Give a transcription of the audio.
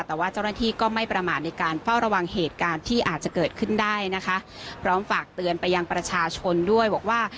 แต่ว่าเจ้าหน้าที่ก็ไม่ประมาทในการเฝ้าระวังเหตุการณ์ที่อาจจะเกิดขึ้นได้นะคะพร้อมฝากเตือนไปยังประชาชนด้วยบอกว่า